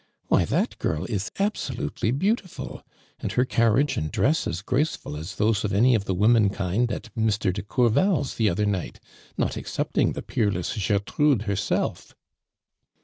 "Why, that girl is absolutely beautiful, and her carriage and drcas as gi aceful as those of any of the women kind at Mr. de t'ourval's the other night, not •excepting the peerless (lertrude herself."